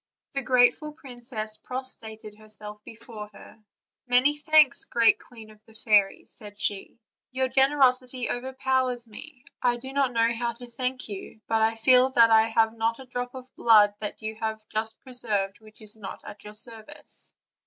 The grateful princess prostrated herself before her. "Many thanks, great queen of the fairies," said she, "your generosity overpowers me; I do not know how to thank you, but I feel that I have not a drop of blood that you have just preserved which is not at your service.'